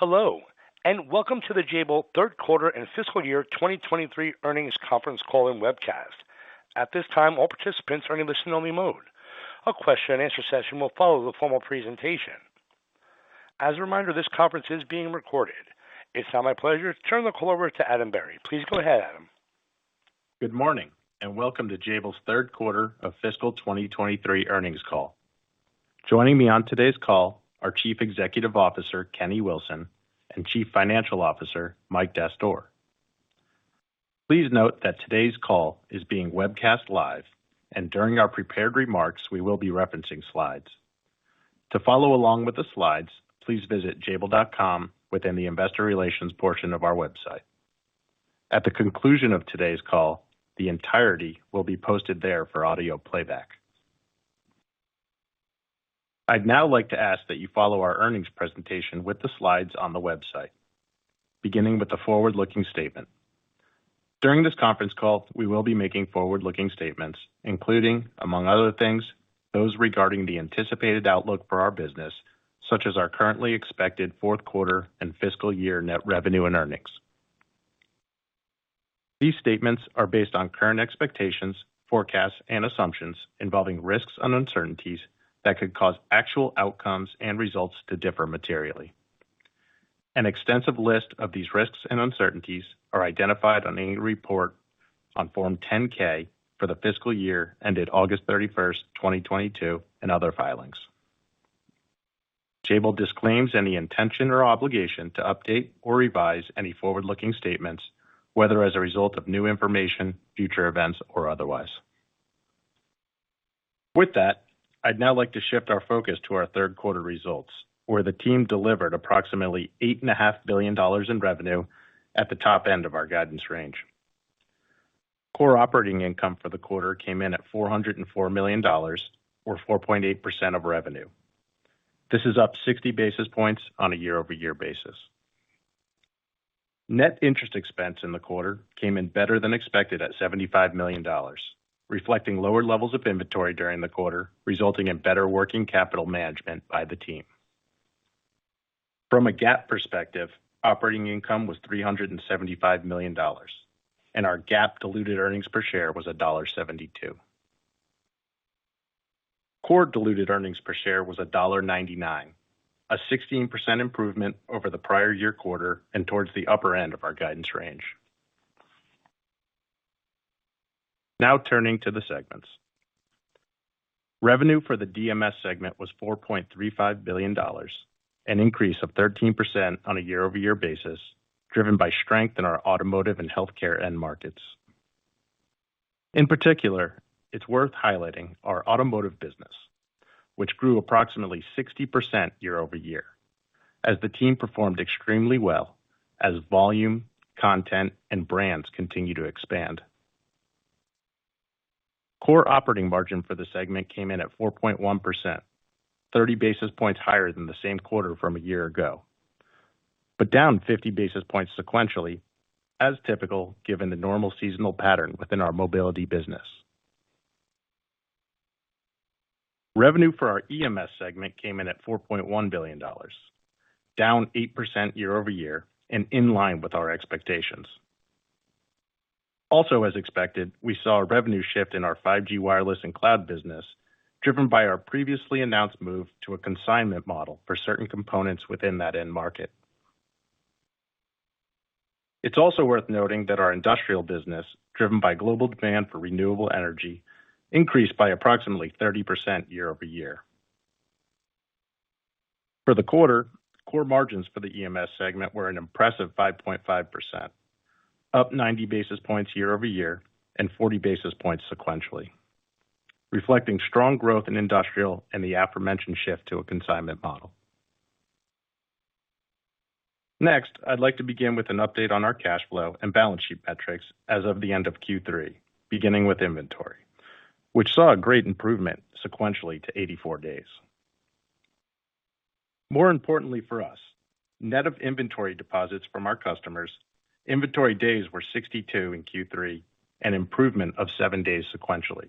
Hello, and welcome to the Jabil third quarter and fiscal year 2023 earnings conference call and webcast. At this time, all participants are in listen-only mode. A question and answer session will follow the formal presentation. As a reminder, this conference is being recorded. It's now my pleasure to turn the call over to Adam Berry. Please go ahead, Adam. Good morning. Welcome to Jabil's third quarter of fiscal 2023 earnings call. Joining me on today's call are Chief Executive Officer, Kenny Wilson, and Chief Financial Officer, Michael Dastoor. Please note that today's call is being webcast live, and during our prepared remarks, we will be referencing slides. To follow along with the slides, please visit jabil.com within the investor relations portion of our website. At the conclusion of today's call, the entirety will be posted there for audio playback. I'd now like to ask that you follow our earnings presentation with the slides on the website, beginning with the forward-looking statement. During this conference call, we will be making forward-looking statements, including, among other things, those regarding the anticipated outlook for our business, such as our currently expected fourth quarter and fiscal year net revenue and earnings. These statements are based on current expectations, forecasts, and assumptions involving risks and uncertainties that could cause actual outcomes and results to differ materially. An extensive list of these risks and uncertainties are identified on annual report on Form 10-K for the fiscal year ended August 31, 2022, and other filings. Jabil disclaims any intention or obligation to update or revise any forward-looking statements, whether as a result of new information, future events, or otherwise. I'd now like to shift our focus to our third quarter results, where the team delivered approximately eight and a half billion dollars in revenue at the top end of our guidance range. Core operating income for the quarter came in at $404 million or 4.8% of revenue. This is up 60 basis points on a year-over-year basis. Net interest expense in the quarter came in better than expected at $75 million, reflecting lower levels of inventory during the quarter, resulting in better working capital management by the team. From a GAAP perspective, operating income was $375 million, and our GAAP diluted earnings per share was $1.72. Core diluted earnings per share was $1.99, a 16% improvement over the prior year quarter and towards the upper end of our guidance range. Turning to the segments. Revenue for the DMS segment was $4.35 billion, an increase of 13% on a year-over-year basis, driven by strength in our automotive and healthcare end markets. In particular, it's worth highlighting our automotive business, which grew approximately 60% year-over-year, as the team performed extremely well as volume, content, and brands continue to expand. Core operating margin for the segment came in at 4.1%, 30 basis points higher than the same quarter from a year ago, but down 50 basis points sequentially, as typical, given the normal seasonal pattern within our mobility business. Revenue for our EMS segment came in at $4.1 billion, down 8% year-over-year and in line with our expectations. Also, as expected, we saw a revenue shift in our 5G wireless and cloud business, driven by our previously announced move to a consignment model for certain components within that end market. It's also worth noting that our industrial business, driven by global demand for renewable energy, increased by approximately 30% year-over-year. For the quarter, core margins for the EMS segment were an impressive 5.5%, up 90 basis points year-over-year and 40 basis points sequentially, reflecting strong growth in industrial and the aforementioned shift to a consignment model. I'd like to begin with an update on our cash flow and balance sheet metrics as of the end of Q3, beginning with inventory, which saw a great improvement sequentially to 84 days. More importantly for us, net of inventory deposits from our customers, inventory days were 62 in Q3, an improvement of 7 days sequentially.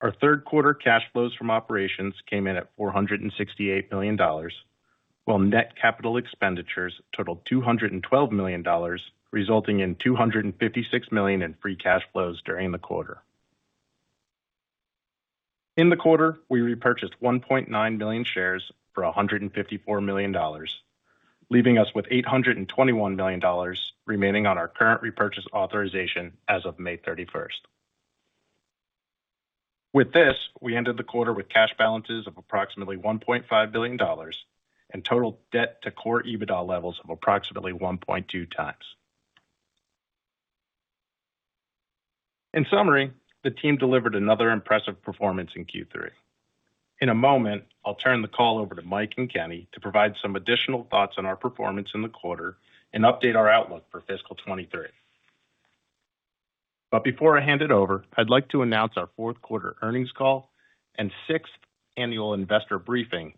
Our third quarter cash flows from operations came in at $468 million, while net capital expenditures totaled $212 million, resulting in $256 million in free cash flows during the quarter. In the quarter, we repurchased 1.9 million shares for $154 million, leaving us with $821 million remaining on our current repurchase authorization as of May 31st. With this, we ended the quarter with cash balances of approximately $1.5 billion and total debt to core EBITDA levels of approximately 1.2 times. In summary, the team delivered another impressive performance in Q3. In a moment, I'll turn the call over to Mike and Kenny to provide some additional thoughts on our performance in the quarter and update our outlook for fiscal 2023. Before I hand it over, I'd like to announce our 4th quarter earnings call and 6th annual investor briefing,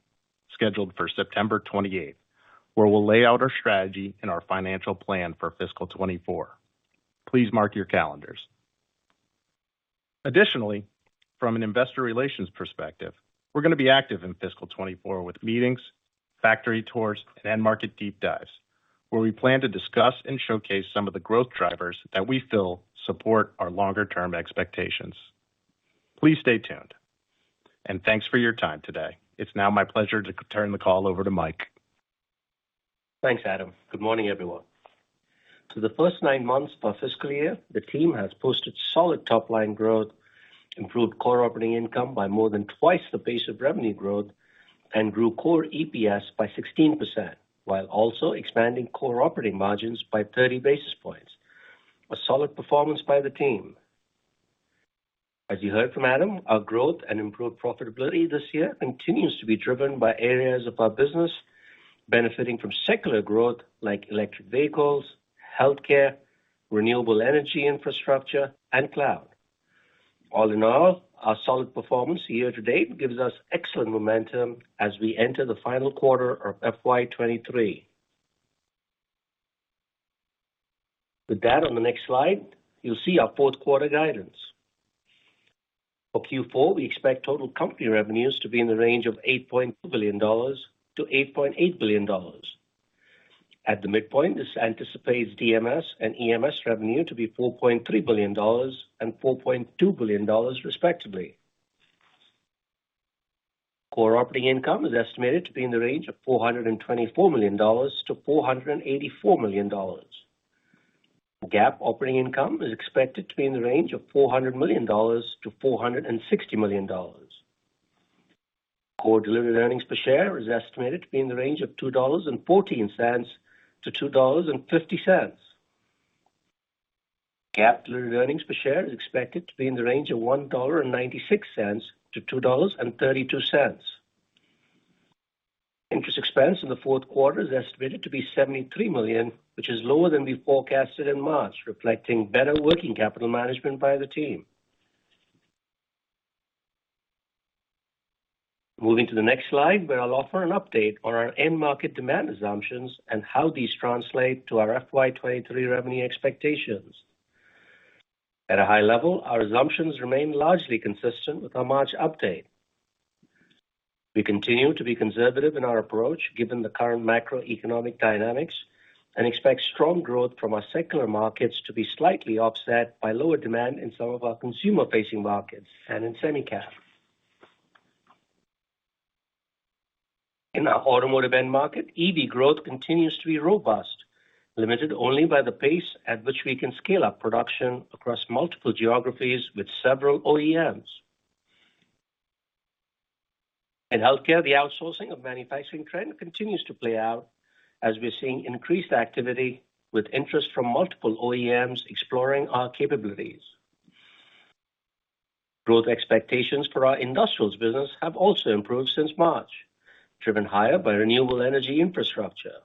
scheduled for September 28, where we'll lay out our strategy and our financial plan for fiscal 2024. Please mark your calendars. From an investor relations perspective, we're gonna be active in fiscal 2024 with meetings, factory tours, and end market deep dives, where we plan to discuss and showcase some of the growth drivers that we feel support our longer-term expectations. Please stay tuned, Thanks for your time today. It's now my pleasure to turn the call over to Mike. Thanks, Adam. Good morning, everyone. The first nine months of our fiscal year, the team has posted solid top-line growth, improved core operating income by more than twice the pace of revenue growth, and grew core EPS by 16%, while also expanding core operating margins by 30 basis points. A solid performance by the team. As you heard from Adam, our growth and improved profitability this year continues to be driven by areas of our business benefiting from secular growth like electric vehicles, healthcare, renewable energy infrastructure, and cloud. All in all, our solid performance year to date gives us excellent momentum as we enter the final quarter of FY '23. With that, on the next slide, you'll see our fourth quarter guidance. For Q4, we expect total company revenues to be in the range of $8.2 billion-$8.8 billion. At the midpoint, this anticipates DMS and EMS revenue to be $4.3 billion and $4.2 billion, respectively. Core operating income is estimated to be in the range of $424 million-$484 million. GAAP operating income is expected to be in the range of $400 million-$460 million. Core diluted earnings per share is estimated to be in the range of $2.14-$2.50. GAAP diluted earnings per share is expected to be in the range of $1.96-$2.32. Interest expense in the fourth quarter is estimated to be $73 million, which is lower than we forecasted in March, reflecting better working capital management by the team. Moving to the next slide, where I'll offer an update on our end market demand assumptions and how these translate to our FY '23 revenue expectations. At a high level, our assumptions remain largely consistent with our March update. We continue to be conservative in our approach, given the current macroeconomic dynamics, and expect strong growth from our secular markets to be slightly offset by lower demand in some of our consumer-facing markets and in Semicap. In our automotive end market, EV growth continues to be robust, limited only by the pace at which we can scale up production across multiple geographies with several OEMs. In healthcare, the outsourcing of manufacturing trend continues to play out as we're seeing increased activity with interest from multiple OEMs exploring our capabilities. Growth expectations for our industrials business have also improved since March, driven higher by renewable energy infrastructure.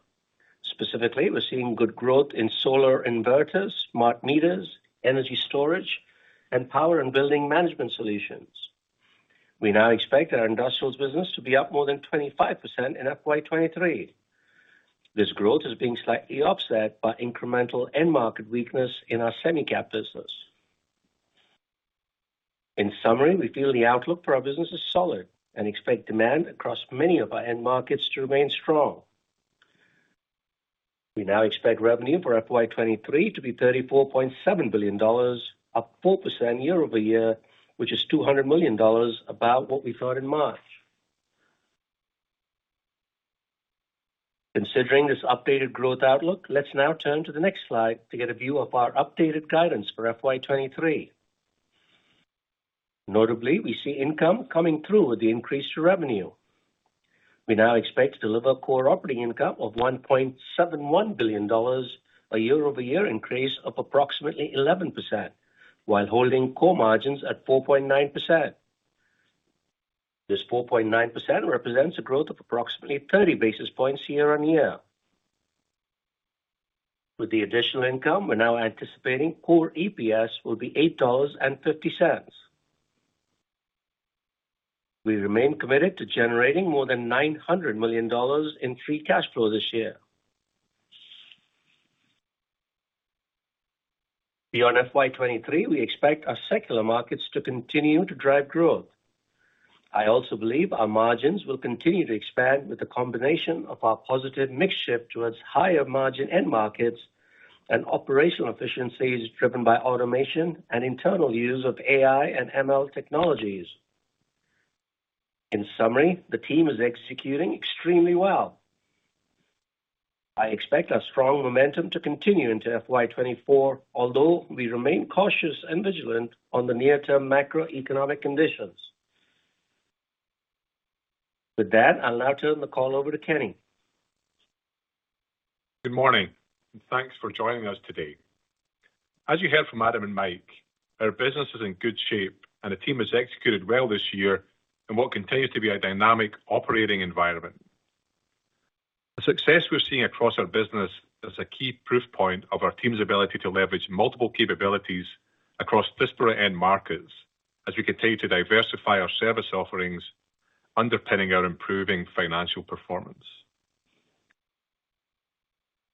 Specifically, we're seeing good growth in solar inverters, smart meters, energy storage, and power and building management solutions. We now expect our industrials business to be up more than 25% in FY '23. This growth is being slightly offset by incremental end market weakness in our Semicap business. In summary, we feel the outlook for our business is solid and expect demand across many of our end markets to remain strong. We now expect revenue for FY '23 to be $34.7 billion, up 4% year-over-year, which is $200 million above what we thought in March. Considering this updated growth outlook, let's now turn to the next slide to get a view of our updated guidance for FY '23. Notably, we see income coming through with the increase to revenue. We now expect to deliver core operating income of $1.71 billion, a year-over-year increase of approximately 11%, while holding core margins at 4.9%. This 4.9% represents a growth of approximately 30 basis points year-on-year. With the additional income, we're now anticipating core EPS will be $8.50. We remain committed to generating more than $900 million in free cash flow this year. Beyond FY '23, we expect our secular markets to continue to drive growth. I also believe our margins will continue to expand with the combination of our positive mix shift towards higher-margin end markets and operational efficiencies driven by automation and internal use of AI and ML technologies. In summary, the team is executing extremely well. I expect our strong momentum to continue into FY '24, although we remain cautious and vigilant on the near-term macroeconomic conditions. With that, I'll now turn the call over to Kenny. Good morning, and thanks for joining us today. As you heard from Adam and Mike, our business is in good shape and the team has executed well this year in what continues to be a dynamic operating environment. The success we're seeing across our business is a key proof point of our team's ability to leverage multiple capabilities across disparate end markets as we continue to diversify our service offerings, underpinning our improving financial performance.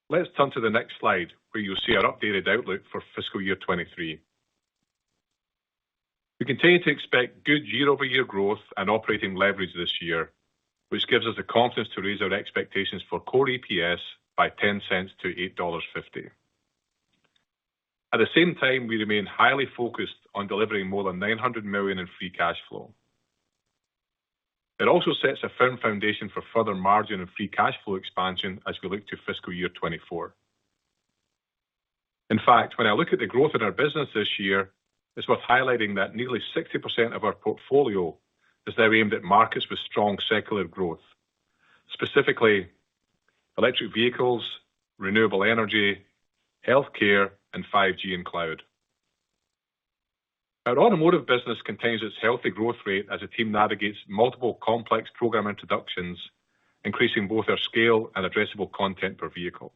Let's turn to the next slide, where you'll see our updated outlook for fiscal year 2023. We continue to expect good year-over-year growth and operating leverage this year, which gives us the confidence to raise our expectations for core EPS by $0.10 to $8.50. At the same time, we remain highly focused on delivering more than $900 million in free cash flow. It also sets a firm foundation for further margin and free cash flow expansion as we look to fiscal year 2024. In fact, when I look at the growth in our business this year, it's worth highlighting that nearly 60% of our portfolio is now aimed at markets with strong secular growth, specifically electric vehicles, renewable energy, healthcare, and 5G and cloud. Our automotive business continues its healthy growth rate as the team navigates multiple complex program introductions, increasing both our scale and addressable content per vehicle.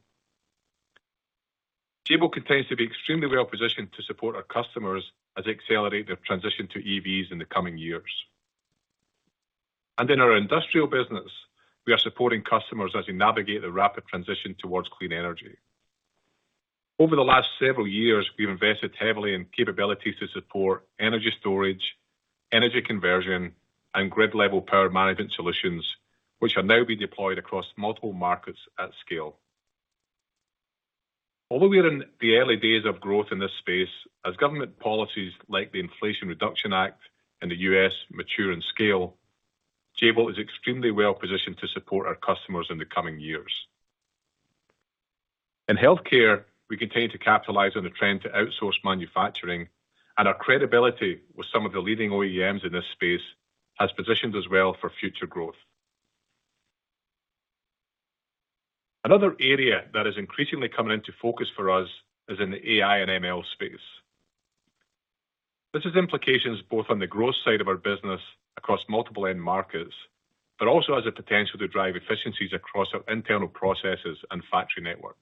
Jabil continues to be extremely well positioned to support our customers as they accelerate their transition to EVs in the coming years. In our industrial business, we are supporting customers as we navigate the rapid transition towards clean energy. Over the last several years, we've invested heavily in capabilities to support energy storage, energy conversion, and grid-level power management solutions, which are now being deployed across multiple markets at scale. Although we are in the early days of growth in this space, as government policies like the Inflation Reduction Act in the U.S. mature and scale, Jabil is extremely well positioned to support our customers in the coming years. In healthcare, we continue to capitalize on the trend to outsource manufacturing, and our credibility with some of the leading OEMs in this space has positioned us well for future growth. Another area that is increasingly coming into focus for us is in the AI and ML space. This has implications both on the growth side of our business across multiple end markets, but also has the potential to drive efficiencies across our internal processes and factory network.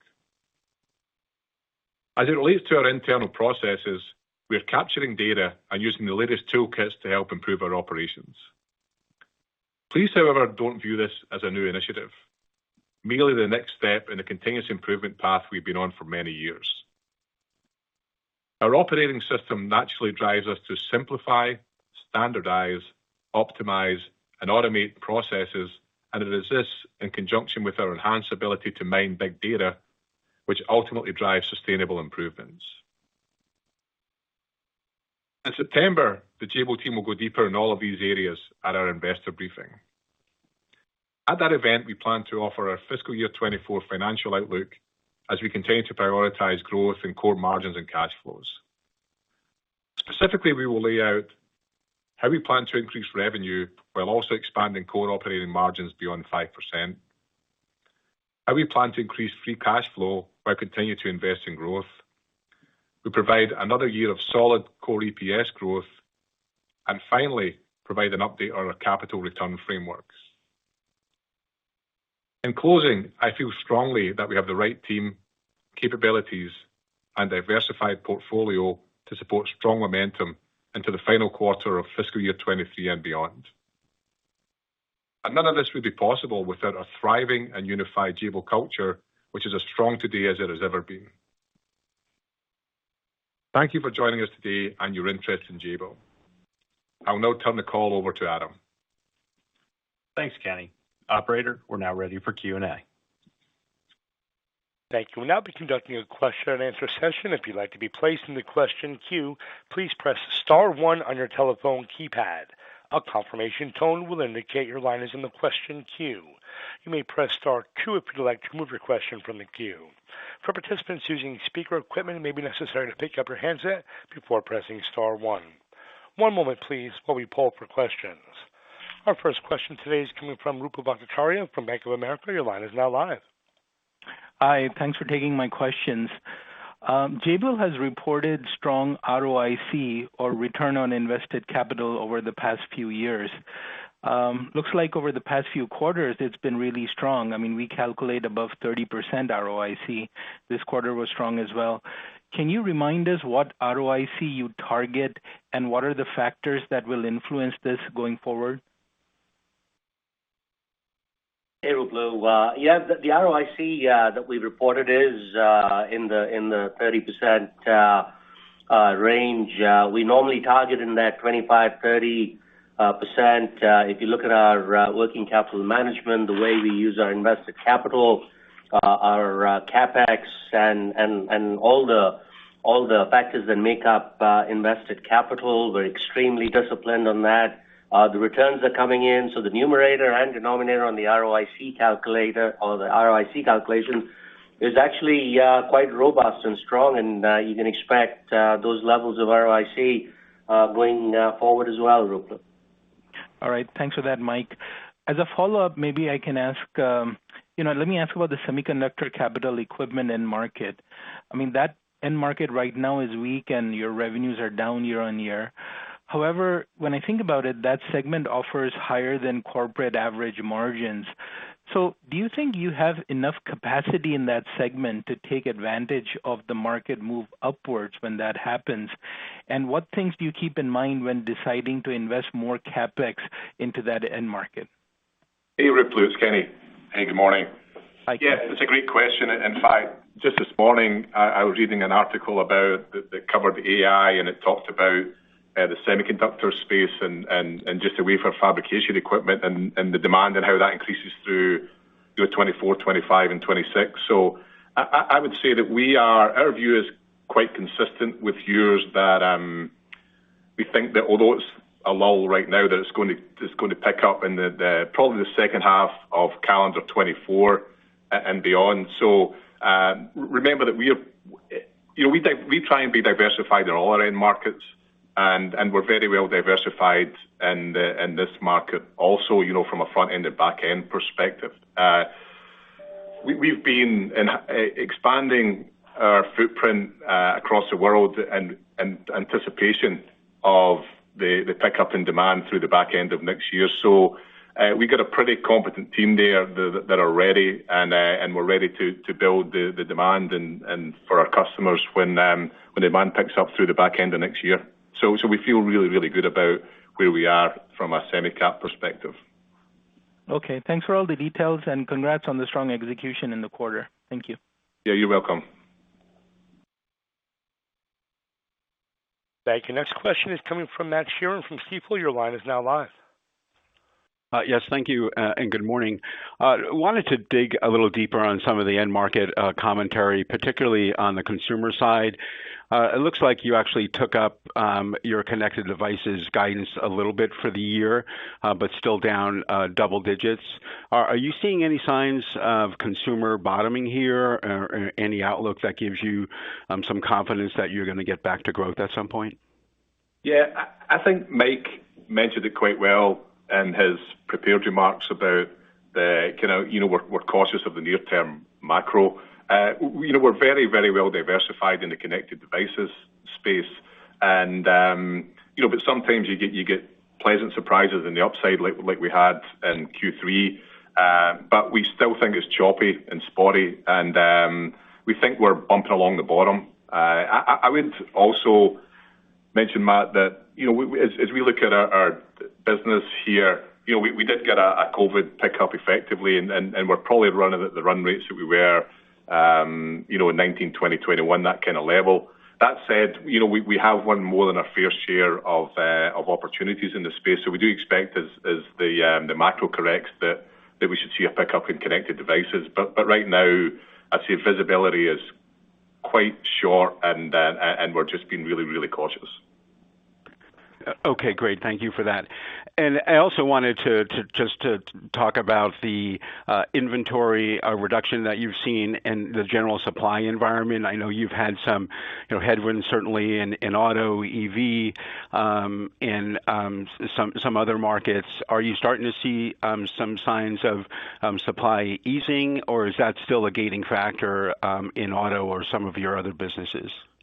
As it relates to our internal processes, we are capturing data and using the latest toolkits to help improve our operations. Please, however, don't view this as a new initiative, merely the next step in the continuous improvement path we've been on for many years. Our operating system naturally drives us to simplify, standardize, optimize, and automate processes, and it does this in conjunction with our enhanced ability to mine big data, which ultimately drives sustainable improvements. In September, the Jabil team will go deeper in all of these areas at our investor briefing. At that event, we plan to offer our fiscal year 2024 financial outlook as we continue to prioritize growth in core margins and cash flows. Specifically, we will lay out how we plan to increase revenue while also expanding core operating margins beyond 5%, how we plan to increase free cash flow while continuing to invest in growth. We provide another year of solid core EPS growth, and finally, provide an update on our capital return frameworks. In closing, I feel strongly that we have the right team, capabilities, and diversified portfolio to support strong momentum into the final quarter of fiscal year 2023 and beyond. None of this would be possible without a thriving and unified Jabil culture, which is as strong today as it has ever been. Thank you for joining us today and your interest in Jabil. I'll now turn the call over to Adam. Thanks, Kenny. Operator, we're now ready for Q&A. Thank you. We'll now be conducting a question and answer session. If you'd like to be placed in the question queue, please press star one on your telephone keypad. A confirmation tone will indicate your line is in the question queue. You may press star two if you'd like to remove your question from the queue. For participants using speaker equipment, it may be necessary to pick up your handset before pressing star one. One moment, please, while we poll for questions. Our first question today is coming from Ruplu Bhattacharya from Bank of America. Your line is now live. Hi, thanks for taking my questions. Jabil has reported strong ROIC, or return on invested capital, over the past few years. Looks like over the past few quarters, it's been really strong. I mean, we calculate above 30% ROIC. This quarter was strong as well. Can you remind us what ROIC you target, and what are the factors that will influence this going forward? Hey, Rupu. Yeah, the ROIC that we reported is in the 30% range. We normally target in that 25%-30%. If you look at our working capital management, the way we use our invested capital, our CapEx and all the factors that make up invested capital, we're extremely disciplined on that. The returns are coming in, the numerator and denominator on the ROIC calculator or the ROIC calculation is actually quite robust and strong, and you can expect those levels of ROIC going forward as well, Rupu. All right. Thanks for that, Mike. As a follow-up, maybe I can ask, you know, let me ask about the semiconductor capital equipment end market. I mean, that end market right now is weak, and your revenues are down year-on-year. However, when I think about it, that segment offers higher than corporate average margins. Do you think you have enough capacity in that segment to take advantage of the market move upwards when that happens? What things do you keep in mind when deciding to invest more CapEx into that end market? Hey, Ruplu, it's Kenny. Hey, good morning. Hi, Kenny. Yeah, it's a great question. In fact, just this morning, I was reading an article about that covered AI, it talked about the semiconductor space and just the wafer fabrication equipment and the demand and how that increases through 2024, 2025, and 2026. I would say that our view is quite consistent with yours, that we think that although it's a lull right now, it's going to pick up in the probably the second half of calendar 2024 and beyond. Remember that we are, you know, we try and be diversified in all our end markets, and we're very well diversified in this market, also, you know, from a front-end and back-end perspective. We've been expanding our footprint across the world in anticipation of the pickup in demand through the back end of next year. We've got a pretty competent team there that are ready, and we're ready to build the demand and for our customers when the demand picks up through the back end of next year. We feel really good about where we are from a Semicap perspective. Okay, thanks for all the details, and congrats on the strong execution in the quarter. Thank you. Yeah, you're welcome. Thank you. Next question is coming from Matt Sheerin from Stifel. Your line is now live. Yes, thank you, and good morning. I wanted to dig a little deeper on some of the end market commentary, particularly on the consumer side. It looks like you actually took up your connected devices guidance a little bit for the year, but still down double digits. Are you seeing any signs of consumer bottoming here, or any outlook that gives you some confidence that you're gonna get back to growth at some point? Yeah, I think Mike mentioned it quite well in his prepared remarks about the, you know, we're cautious of the near-term macro. you know, we're very, very well diversified in the connected devices space and, you know, but sometimes you get, you get pleasant surprises on the upside, like we had in Q3. but we still think it's choppy and spotty, and, we think we're bumping along the bottom. I would also mention, Matt, that, you know, we, as we look at our business here, you know, we did get a COVID pickup effectively, and we're probably running at the run rates that we were, you know, in 2019, 2020, 2021, that kind of level. That said, you know, we have won more than our fair share of opportunities in this space, so we do expect as the macro corrects, that we should see a pickup in connected devices. Right now, I'd say visibility is quite short, and we're just being really cautious. Okay, great. Thank you for that. I also wanted to just to talk about the inventory reduction that you've seen and the general supply environment. I know you've had some, you know, headwinds, certainly in auto, EV, in some other markets. Are you starting to see some signs of supply easing, or is that still a gating factor in auto or some of your other businesses? Hey,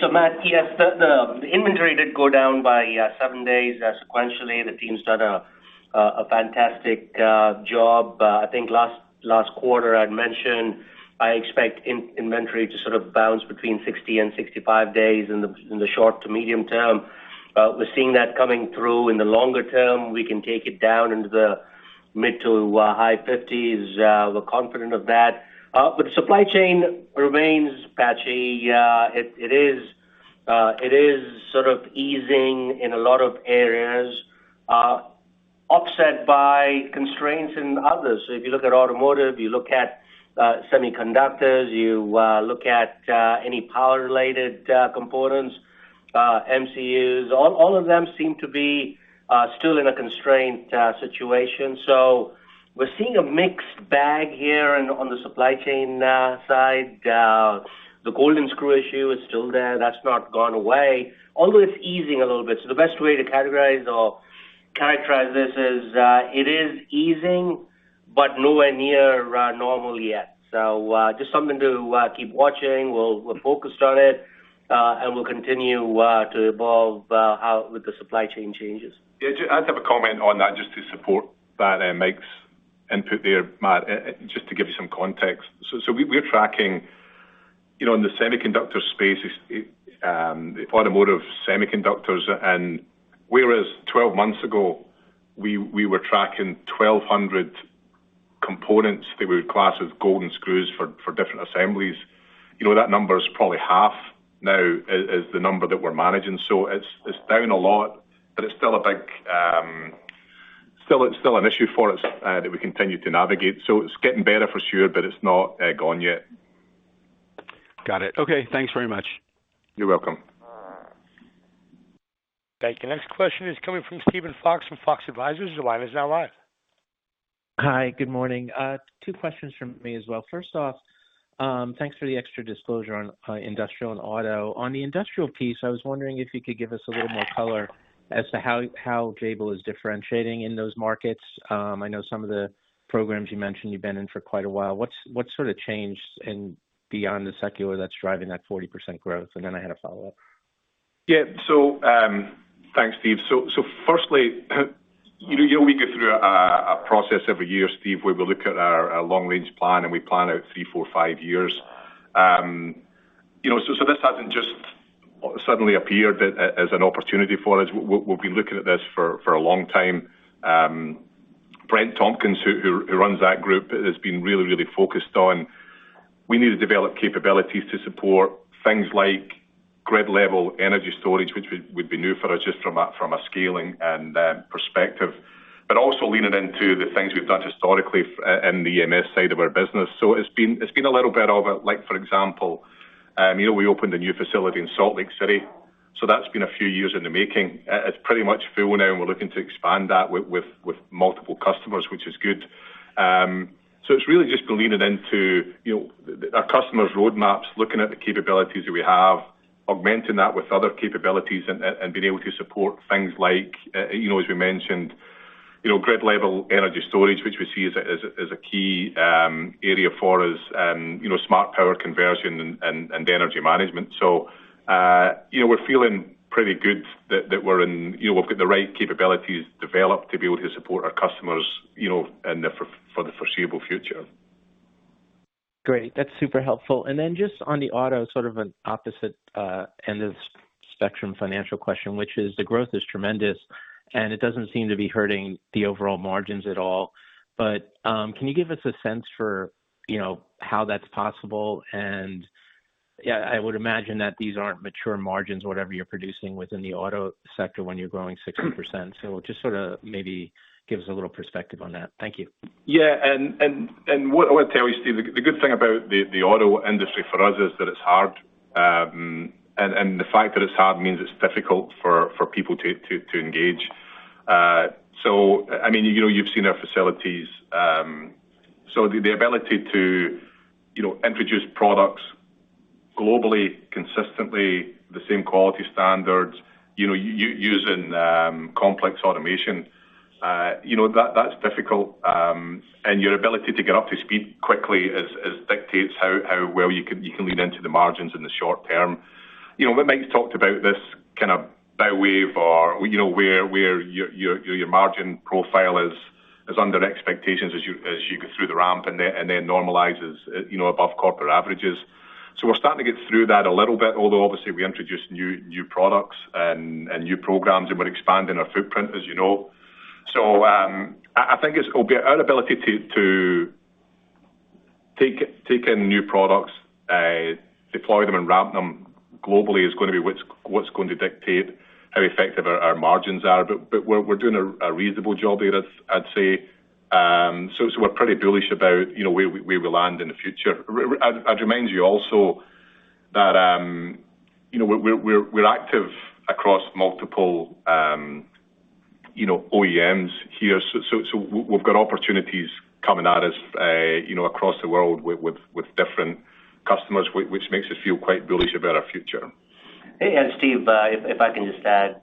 so Matt, yes, the inventory did go down by 7 days sequentially. The team's done a fantastic job. I think last quarter I'd mentioned, I expect in-inventory to sort of bounce between 60 and 65 days in the short to medium term. We're seeing that coming through. In the longer term, we can take it down into the mid to high 50s. We're confident of that. The supply chain remains patchy. It is sort of easing in a lot of areas, offset by constraints in others. If you look at automotive, you look at semiconductors, you look at any power-related components, MCUs, all of them seem to be still in a constrained situation. We're seeing a mixed bag here and on the supply chain side. The golden screw issue is still there. That's not gone away, although it's easing a little bit. The best way to categorize or characterize this is, it is easing, but nowhere near normal yet. Just something to keep watching. We're focused on it, and we'll continue to evolve how with the supply chain changes. Yeah, I'd have a comment on that just to support that, Mike's input there, Matt, just to give you some context. We're tracking, you know, in the semiconductor space, the automotive semiconductors. Whereas 12 months ago, we were tracking 1,200 components that we would class as golden screws for different assemblies, you know, that number is probably half now as the number that we're managing. It's down a lot, but it's still a big. Still, it's still an issue for us that we continue to navigate. It's getting better for sure, but it's not gone yet. Got it. Okay, thanks very much. You're welcome. Thank you. Next question is coming from Steven Fox, from Fox Advisors. The line is now live. Hi, good morning. Two questions from me as well. First off, thanks for the extra disclosure on industrial and auto. On the industrial piece, I was wondering if you could give us a little more color as to how Jabil is differentiating in those markets. I know some of the programs you mentioned you've been in for quite a while. What sort of changed and beyond the secular, that's driving that 40% growth? Then I had a follow-up. Yeah, thanks, Steve. Firstly, you know, we go through a process every year, Steve, where we look at our long range plan, and we plan out three, four, five years. You know, this hasn't just suddenly appeared as an opportunity for us. We've been looking at this for a long time. Brent Tompkins, who runs that group, has been really focused on, we need to develop capabilities to support things like grid-level energy storage, which would be new for us, just from a scaling and perspective, but also leaning into the things we've done historically in the EMS side of our business. It's been a little bit of a, like, for example, you know, we opened a new facility in Salt Lake City, so that's been a few years in the making. It's pretty much full now, and we're looking to expand that with multiple customers, which is good. It's really just been leaning into, you know, our customers' roadmaps, looking at the capabilities that we have, augmenting that with other capabilities and being able to support things like, you know, as we mentioned, you know, grid-level energy storage, which we see as a key area for us, you know, smart power conversion and energy management. You know, we're feeling pretty good that we're in, you know, we've got the right capabilities developed to be able to support our customers, you know, and for the foreseeable future. Great. That's super helpful. Then just on the auto, sort of an opposite end of spectrum financial question, which is the growth is tremendous, and it doesn't seem to be hurting the overall margins at all. Can you give us a sense for, you know, how that's possible? Yeah, I would imagine that these aren't mature margins, whatever you're producing within the auto sector when you're growing 60%. Just sorta maybe give us a little perspective on that. Thank you. Yeah, what I want to tell you, Steve, the good thing about the auto industry for us is that it's hard, and the fact that it's hard means it's difficult for people to engage. I mean, you know, you've seen our facilities. The ability to, you know, introduce products globally, consistently, the same quality standards, you know, using complex automation, you know, that's difficult. Your ability to get up to speed quickly as dictates how well you can lean into the margins in the short term. You know, we might have talked about this kind of by wave or, you know, where your margin profile is under expectations as you go through the ramp and then normalizes, you know, above corporate averages. We're starting to get through that a little bit, although obviously we introduce new products and new programs, and we're expanding our footprint, as you know. I think it's our ability to take in new products, deploy them and ramp them globally is gonna be what's going to dictate how effective our margins are. We're doing a reasonable job there, I'd say. We're pretty bullish about, you know, where we land in the future. I'd remind you also that, you know, we're active across multiple, you know, OEMs here. We've got opportunities coming at us, you know, across the world with different customers, which makes us feel quite bullish about our future. Steve, if I can just add,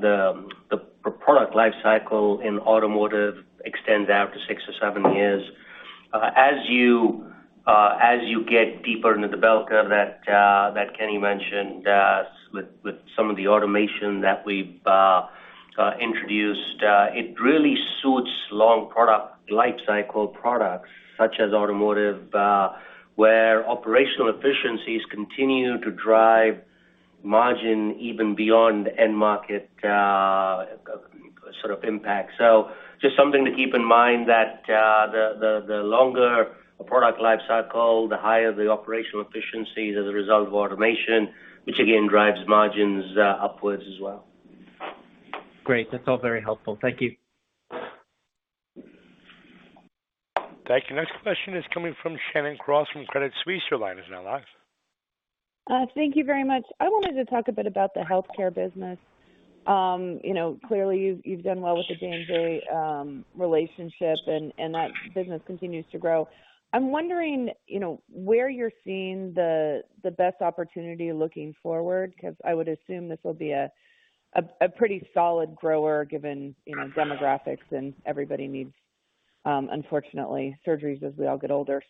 the product life cycle in automotive extends out to 6 or 7 years. As you get deeper into the bell curve that Kenny mentioned, with some of the automation that we've introduced, it really suits long product lifecycle products, such as automotive, where operational efficiencies continue to drive margin even beyond end market, sort of impact. Just something to keep in mind, that the longer a product lifecycle, the higher the operational efficiencies as a result of automation, which again drives margins upwards as well. Great. That's all very helpful. Thank you. Thank you. Next question is coming from Shannon Cross from Credit Suisse. Your line is now live. Thank you very much. I wanted to talk a bit about the healthcare business. You know, clearly, you've done well with the J&J relationship, and that business continues to grow. I'm wondering, you know, where you're seeing the best opportunity looking forward, because I would assume this will be a pretty solid grower, given, you know, demographics and everybody needs, unfortunately, surgeries as we all get older.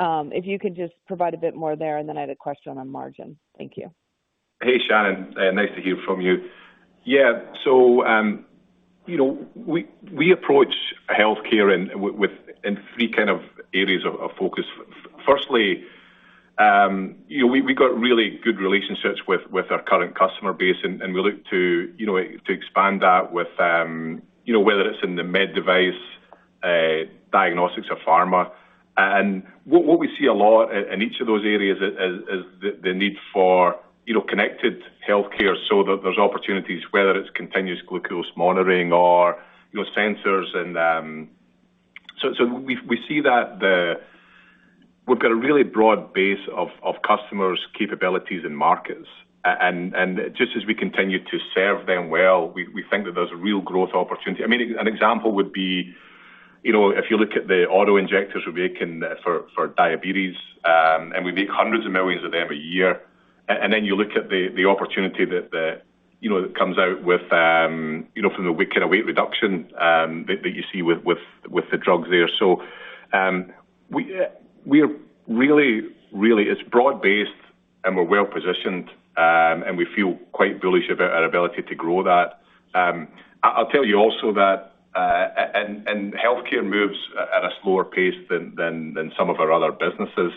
If you could just provide a bit more there, and then I had a question on margin. Thank you. Hey, Shannon, nice to hear from you. Yeah, you know, we approach healthcare and with in three kind of areas of focus. Firstly, you know, we got really good relationships with our current customer base, and we look to, you know, to expand that with, you know, whether it's in the med device, diagnostics or pharma. What we see a lot in each of those areas is the need for, you know, connected healthcare so that there's opportunities, whether it's continuous glucose monitoring or, you know, sensors and. We see that we've got a really broad base of customers, capabilities and markets. Just as we continue to serve them well, we think that there's a real growth opportunity. I mean, an example would be, you know, if you look at the auto injectors we make in for diabetes, and we make hundreds of millions of them a year. You look at the opportunity that the, you know, that comes out with, you know, from the weight, kind of, weight reduction that you see with the drugs there. We are really, it's broad-based, and we're well-positioned, and we feel quite bullish about our ability to grow that. I'll tell you also that and healthcare moves at a slower pace than some of our other businesses.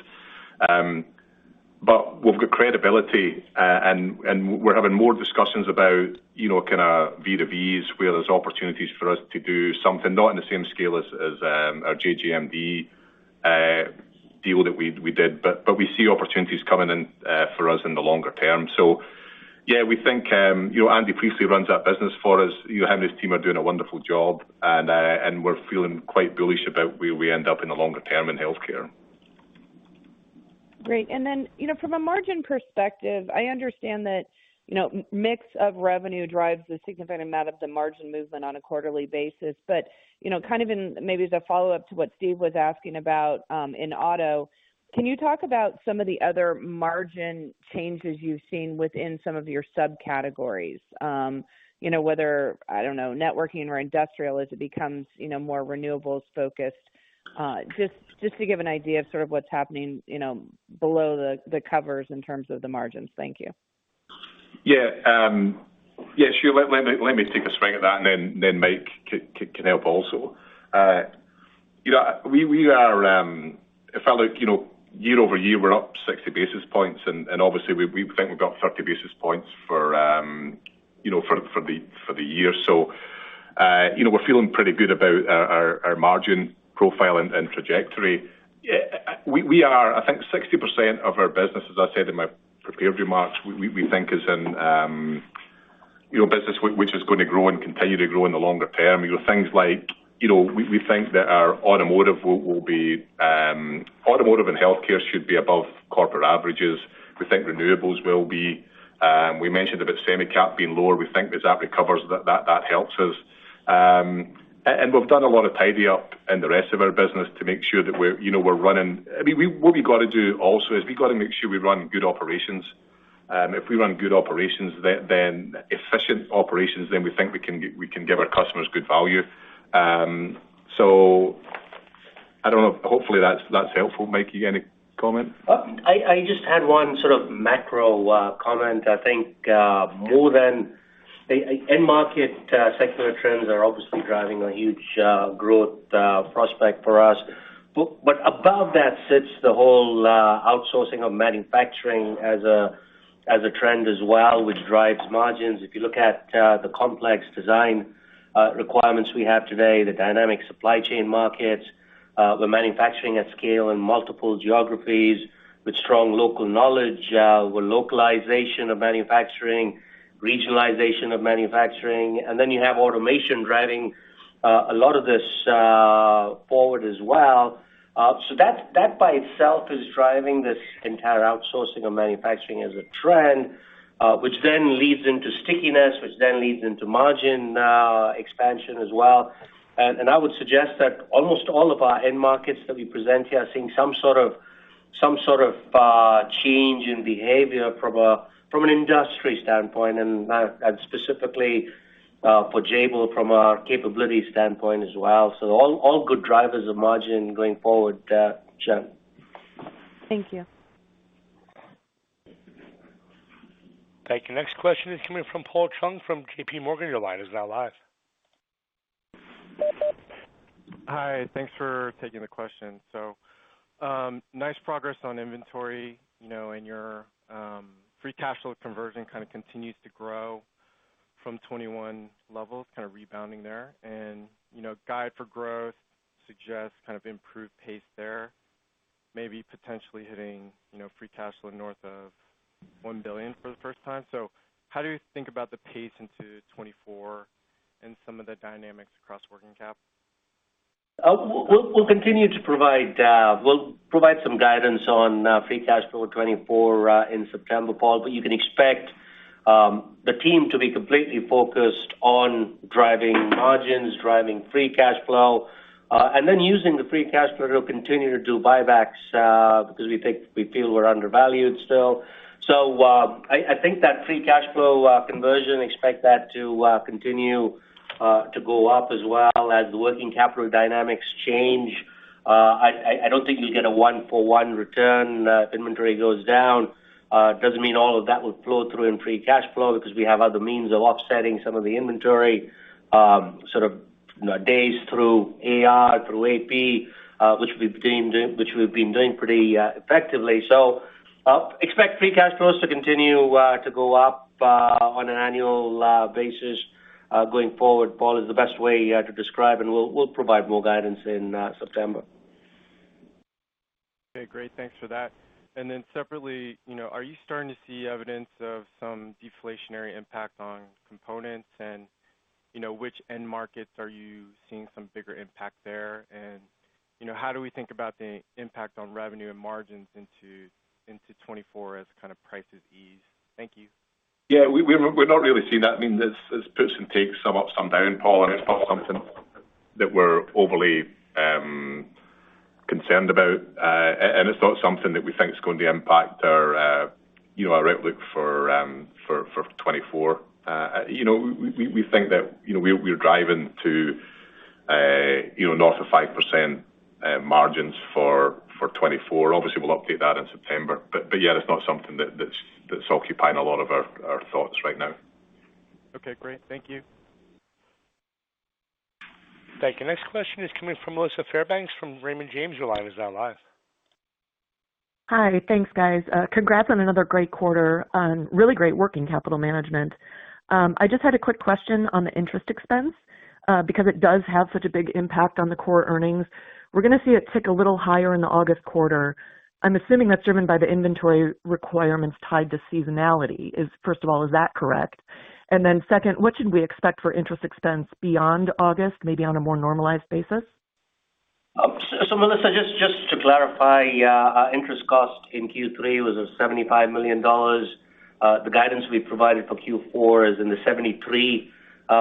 We've got credibility, and we're having more discussions about, you know, kind of B2Bs, where there's opportunities for us to do something, not on the same scale as our JJMD deal that we did. We see opportunities coming in for us in the longer term. Yeah, we think, you know, Andy Priestley runs that business for us. He and his team are doing a wonderful job, and we're feeling quite bullish about where we end up in the longer term in healthcare. Great. You know, from a margin perspective, I understand that, you know, mix of revenue drives a significant amount of the margin movement on a quarterly basis. You know, kind of in, maybe as a follow-up to what Steve was asking about, in auto, can you talk about some of the other margin changes you've seen within some of your subcategories? You know, whether, I don't know, networking or industrial, as it becomes, you know, more renewables focused, just to give an idea of sort of what's happening, you know, below the covers in terms of the margins. Thank you. Yeah, sure. Let me take a swing at that, and then Mike can help also. You know, we are, if I look, you know, year-over-year, we're up 60 basis points, and obviously, we think we've got 30 basis points for, you know, for the year. You know, we're feeling pretty good about our margin profile and trajectory. We are, I think, 60% of our business, as I said in my prepared remarks, we think is in, you know, business which is gonna grow and continue to grow in the longer term. You know, things like, you know, we think that automotive and healthcare should be above corporate averages. We think renewables will be. We mentioned about Semicap being lower. We think as that recovers, that helps us. We've done a lot of tidy up in the rest of our business to make sure that we're, you know, we're running. I mean, what we've got to do also is we've got to make sure we run good operations. If we run good operations, then efficient operations, then we think we can give our customers good value. I don't know. Hopefully, that's helpful. Mike, you got any comment? I just had one sort of macro comment. I think, more than end market secular trends are obviously driving a huge growth prospect for us. But above that sits the whole outsourcing of manufacturing as a, as a trend as well, which drives margins. If you look at the complex design requirements we have today, the dynamic supply chain markets, we're manufacturing at scale in multiple geographies with strong local knowledge, with localization of manufacturing, regionalization of manufacturing, and then you have automation driving a lot of this forward as well. That by itself is driving this entire outsourcing of manufacturing as a trend, which then leads into stickiness, which then leads into margin expansion as well. I would suggest that almost all of our end markets that we present here are seeing some sort of change in behavior from an industry standpoint, and specifically for Jabil, from a capability standpoint as well. All good drivers of margin going forward, Jen. Thank you. Thank you. Next question is coming from Paul Chung from J.P. Morgan. Your line is now live. Hi, thanks for taking the question. Nice progress on inventory, you know, and your free cash flow conversion kind of continues to grow from 21 levels, kind of rebounding there. You know, guide for growth suggests kind of improved pace there, maybe potentially hitting, you know, free cash flow north of $1 billion for the first time. How do you think about the pace into 2024 and some of the dynamics across working capital? We'll provide some guidance on free cash flow 24 in September, Paul, You can expect the team to be completely focused on driving margins, driving free cash flow, and then using the free cash flow to continue to do buybacks, because we think, we feel we're undervalued still. I think that free cash flow conversion, expect that to continue to go up as well as working capital dynamics change. I don't think you get a one-for-one return. Goes down, it doesn't mean all of that will flow through in free cash flow because we have other means of offsetting some of the inventory days through AR, through AP, which we've been doing pretty effectively. So, expect free cash flows to continue to go up on an annual basis going forward, Paul, is the best way to describe, and we'll provide more guidance in September. `` Okay, great. Thanks for that. separately, you know, are you starting to see evidence of some deflationary impact on components? you know, which end markets are you seeing some bigger impact there? you know, how do we think about the impact on revenue and margins into 2024 as kind of prices ease? Thank you. Yeah, we're not really seeing that. I mean, there's push and pull, some up, some down, Paul, it's not something that we're overly concerned about. It's not something that we think is going to impact our, you know, our outlook before, you know, we think that, you know, we're driving to, you know, north of 5% margins for 24. Obviously, we'll update that in September, yeah, that's not something that's occupying a lot of our thoughts right now. Okay, great. Thank you. Thank you. Next question is coming from Melissa Fairbanks, from Raymond James. Your line is now live. Hi, thanks, guys. congrats on another great quarter. really great working capital management. I just had a quick question on the interest expense, because it does have such a big impact on the core earnings. We're gonna see it tick a little higher in the August quarter. I'm assuming that's driven by the inventory requirements tied to seasonality. First of all, is that correct? Then second, what should we expect for interest expense beyond August, maybe on a more normalized basis? Melissa, just to clarify, our interest cost in Q3 was $75 million. The guidance we provided for Q4 is in the $73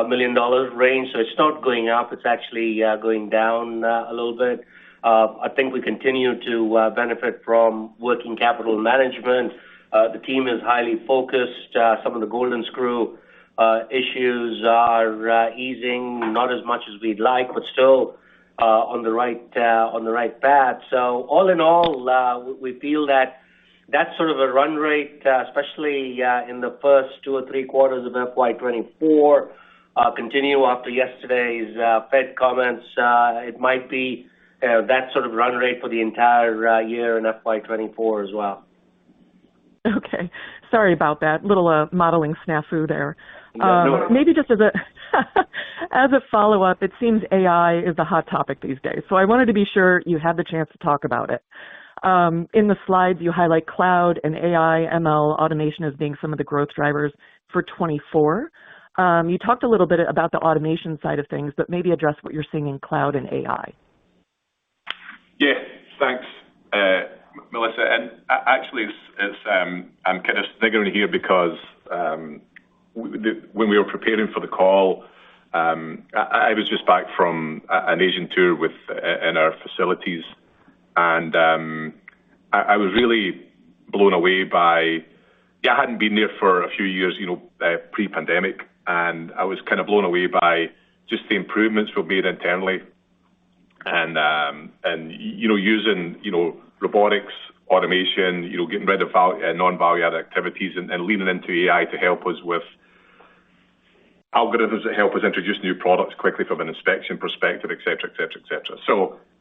million range. It's not going up, it's actually going down a little bit. I think we continue to benefit from working capital management. The team is highly focused. Some of the golden screw issues are easing, not as much as we'd like, but still on the right path. All in all, we feel that that's sort of a run rate, especially in the first 2 or 3 quarters of FY 2024, continue after yesterday's Fed comments. It might be that sort of run rate for the entire year in FY 2024 as well. Okay. Sorry about that. Little modeling snafu there. No worry. maybe just as a, as a follow-up, it seems AI is the hot topic these days, so I wanted to be sure you had the chance to talk about it. In the slides, you highlight cloud and AI, ML, automation as being some of the growth drivers for 2024. You talked a little bit about the automation side of things, but maybe address what you're seeing in cloud and AI. Yeah, thanks, Melissa. Actually, it's, I'm kind of thinking here because when we were preparing for the call, I was just back from an Asian tour with, in our facilities, and I was really blown away by. Yeah, I hadn't been there for a few years, you know, pre-pandemic, and I was kind of blown away by just the improvements we've made internally. You know, using, you know, robotics, automation, you know, getting rid of non-value-added activities and leaning into AI to help us with algorithms that help us introduce new products quickly from an inspection perspective, et cetera, et cetera, et cetera.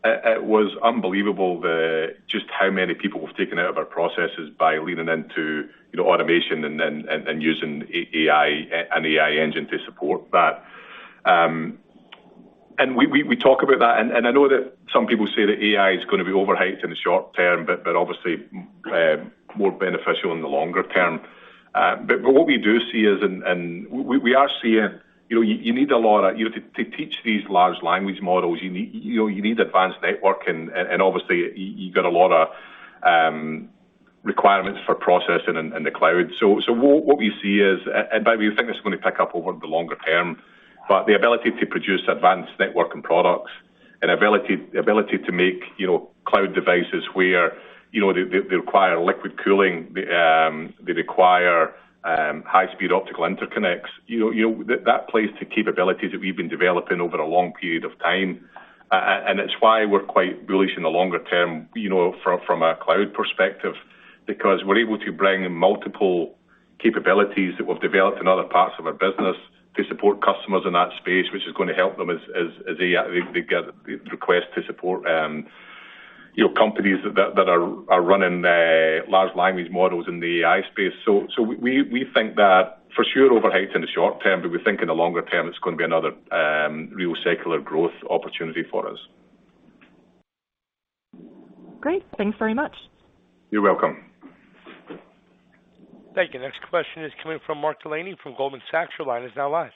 It was unbelievable the, just how many people we've taken out of our processes by leaning into, you know, automation and then, and using AI, an AI engine to support that. We talk about that, I know that some people say that AI is gonna be overhyped in the short term, obviously, more beneficial in the longer term. What we do see is and we are seeing, you know, you need a lot of, you know, to teach these large language models, you need, you need advanced networking, and obviously, you got a lot of requirements for processing in the cloud. What we see is, by the way, we think this is gonna pick up over the longer term, but the ability to produce advanced networking products, the ability to make, you know, cloud devices where, you know, they require liquid cooling, they require high-speed optical interconnects, you know, that plays to capabilities that we've been developing over a long period of time. It's why we're quite bullish in the longer term, you know, from a cloud perspective, because we're able to bring in multiple capabilities that we've developed in other parts of our business to support customers in that space, which is gonna help them as they get the request to support, you know, companies that are running large language models in the AI space. We think that for sure, overhyped in the short term, but we think in the longer term, it's gonna be another real secular growth opportunity for us. Great. Thanks very much. You're welcome. Thank you. Next question is coming from Mark Delaney from Goldman Sachs. Your line is now live.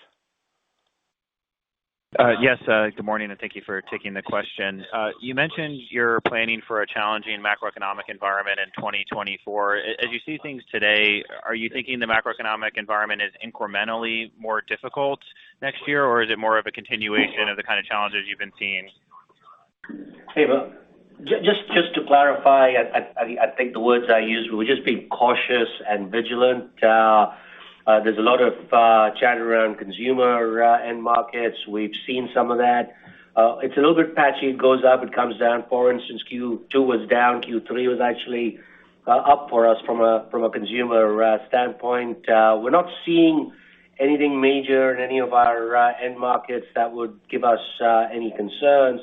Yes, good morning, and thank you for taking the question. You mentioned you're planning for a challenging macroeconomic environment in 2024. As you see things today, are you thinking the macroeconomic environment is incrementally more difficult next year, or is it more of a continuation of the kind of challenges you've been seeing? Hey, Mark. Just to clarify, I think the words I used were just being cautious and vigilant. There's a lot of chatter around consumer end markets. We've seen some of that. It's a little bit patchy. It goes up, it comes down. For instance, Q2 was down, Q3 was actually up for us from a consumer standpoint. We're not seeing anything major in any of our end markets that would give us any concerns.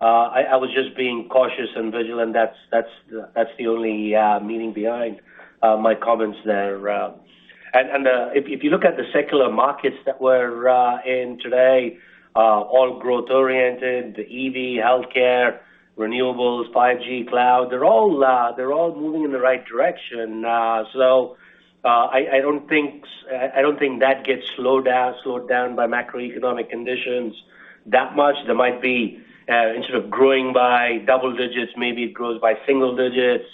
I was just being cautious and vigilant. That's the only meaning behind my comments there. If you look at the secular markets that we're in today, all growth-oriented, EV, healthcare, renewables, 5G, cloud, they're all moving in the right direction. I don't think that gets slowed down by macroeconomic conditions that much. There might be, instead of growing by double digits, maybe it grows by single digits.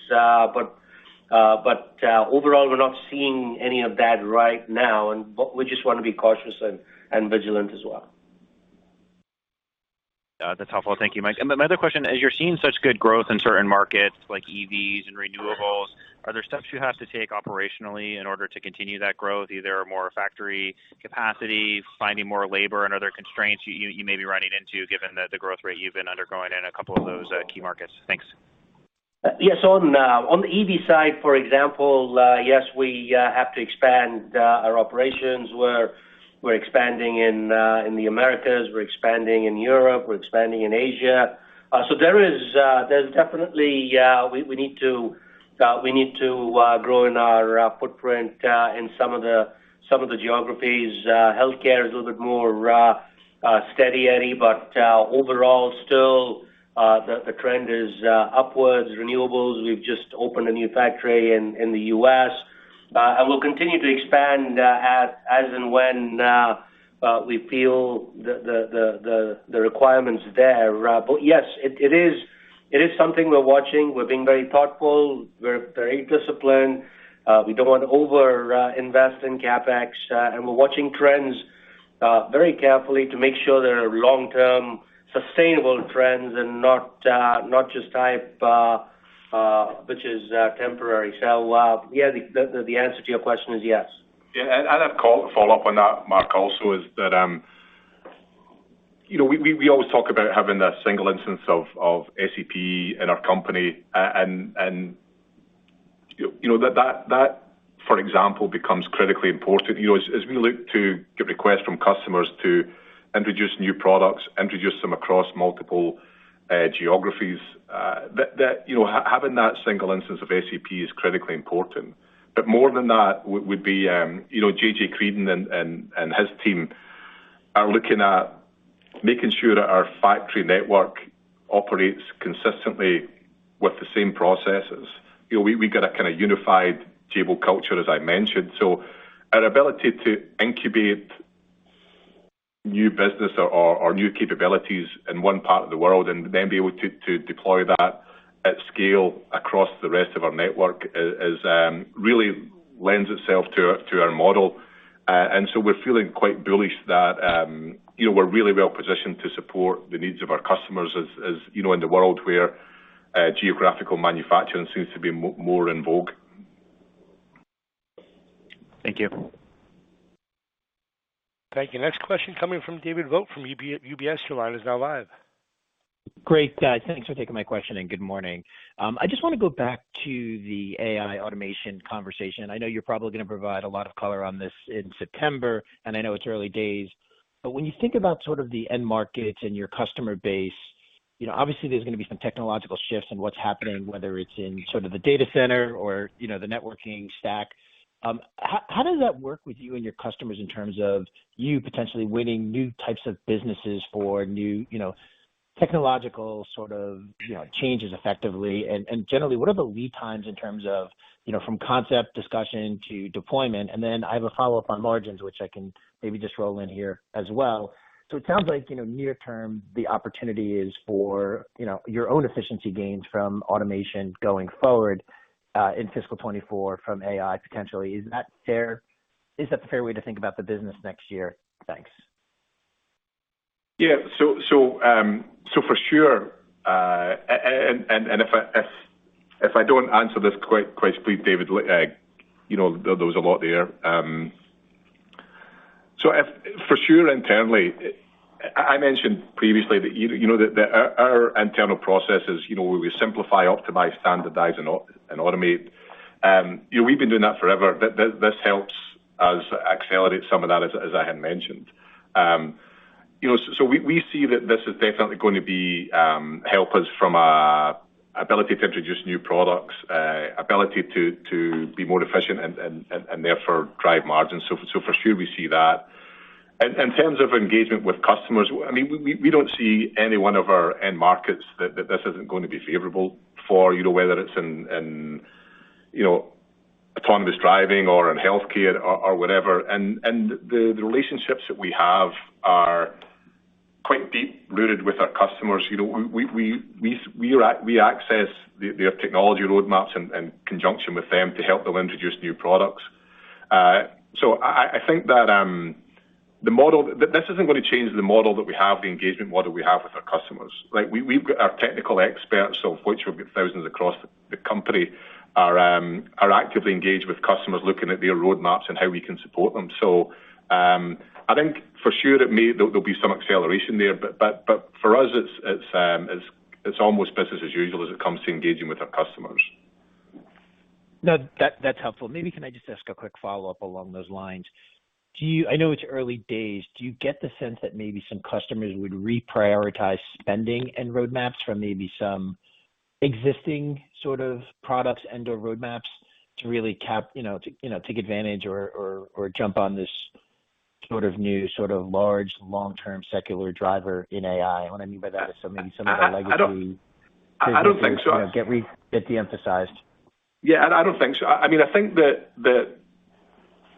Overall, we're not seeing any of that right now, and but we just want to be cautious and vigilant as well. That's helpful. Thank you, Mike. My other question, as you're seeing such good growth in certain markets like EVs and renewables, are there steps you have to take operationally in order to continue that growth, either more factory capacity, finding more labor, and other constraints you may be running into, given the growth rate you've been undergoing in a couple of those key markets? Thanks. Yes, on the EV side, for example, yes, we have to expand our operations. We're expanding in the Americas, we're expanding in Europe, we're expanding in Asia. There is, there's definitely, we need to grow in our footprint in some of the geographies. Healthcare is a little bit more, steady Eddie, but overall, still, the trend is upwards. Renewables, we've just opened a new factory in the US. We'll continue to expand as and when, we feel the requirement's there. Yes, it is something we're watching. We're being very thoughtful, we're very disciplined, we don't want to over invest in CapEx, and we're watching trends very carefully to make sure they are long-term, sustainable trends and not just hype, which is temporary. Yeah, the answer to your question is yes. I'd call to follow up on that, Mark, also, is that, you know, we always talk about having a single instance of SAP in our company. You know, that, for example, becomes critically important. You know, as we look to get requests from customers to introduce new products, introduce them across multiple geographies, that, you know, having that single instance of SAP is critically important. More than that, would be, you know, JJ Creadon and his team are looking at making sure that our factory network operates consistently with the same processes. You know, we've got a kind of unified Jabil culture, as I mentioned. Our ability to incubate new business or new capabilities in one part of the world, and then be able to deploy that at scale across the rest of our network, really lends itself to our model. We're feeling quite bullish that, you know, we're really well positioned to support the needs of our customers, as you know, in the world where geographical manufacturing seems to be more in vogue. Thank you. Thank you. Next question coming from David Vogt from UBS. Your line is now live. Great. Thanks for taking my question, and good morning. I just wanna go back to the AI automation conversation. I know you're probably gonna provide a lot of color on this in September, and I know it's early days. When you think about sort of the end markets and your customer base, you know, obviously there's gonna be some technological shifts in what's happening, whether it's in sort of the data center or, you know, the networking stack. How does that work with you and your customers in terms of you potentially winning new types of businesses for new, you know, technological sort of, you know, changes effectively? Generally, what are the lead times in terms of, you know, from concept discussion to deployment? And then I have a follow-up on margins, which I can maybe just roll in here as well. it sounds like, you know, near term, the opportunity is for, you know, your own efficiency gains from automation going forward, in fiscal 2024 from AI potentially. Is that fair? Is that a fair way to think about the business next year? Thanks. Yeah. For sure, and if I don't answer this quite please, David, you know, there was a lot there. If for sure, internally, I mentioned previously that you know, that our internal processes, you know, we simplify, optimize, standardize, and automate. You know, we've been doing that forever. This helps us accelerate some of that, as I had mentioned. You know, we see that this is definitely going to be help us from a ability to introduce new products, ability to be more efficient and therefore drive margins. For sure, we see that. In terms of engagement with customers, I mean, we don't see any one of our end markets that this isn't going to be favorable for, you know, whether it's in, you know, autonomous driving or in healthcare or whatever. The relationships that we have are quite deep-rooted with our customers. You know, we access their technology roadmaps in conjunction with them to help them introduce new products. I think that this isn't gonna change the model that we have, the engagement model we have with our customers. Like, we've got our technical experts, of which we've got thousands across the company, are actively engaged with customers, looking at their roadmaps and how we can support them. I think for sure there'll be some acceleration there, but for us, it's almost business as usual as it comes to engaging with our customers. No, that's helpful. Maybe can I just ask a quick follow-up along those lines? I know it's early days. Do you get the sense that maybe some customers would reprioritize spending and roadmaps from maybe some existing sort of products and/or roadmaps to really take advantage or jump on this sort of new, sort of large, long-term secular driver in AI? What I mean by that is maybe some of the legacy- I don't think so. You know, get de-emphasized. Yeah, I don't think so. I mean, I think that,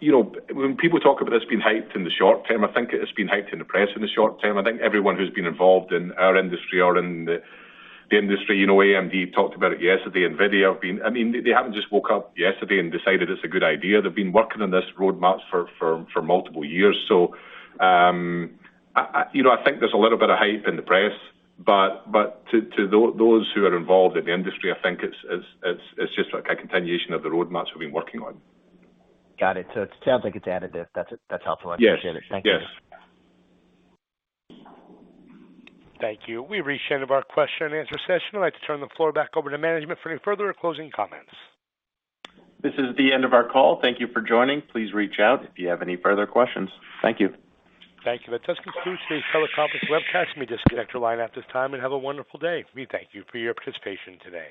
you know, when people talk about this being hyped in the short term, I think it has been hyped in the press in the short term. I think everyone who's been involved in our industry or in the industry, you know, AMD talked about it yesterday, NVIDIA. I mean, they haven't just woke up yesterday and decided it's a good idea. They've been working on this roadmaps for multiple years. I, you know, I think there's a little bit of hype in the press, but to those who are involved in the industry, I think it's just like a continuation of the roadmaps we've been working on. Got it. It sounds like it's additive. That's helpful. Yes. I appreciate it. Thank you. Yes. Thank you. We've reached the end of our question and answer session. I'd like to turn the floor back over to management for any further closing comments. This is the end of our call. Thank you for joining. Please reach out if you have any further questions. Thank you. Thank you. That does conclude today's teleconference webcast. You may disconnect your line at this time, and have a wonderful day. We thank you for your participation today.